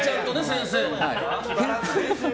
先生。